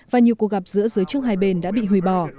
và nhiều cuộc gặp giữa giới chức hai bên đã bị hủy bỏ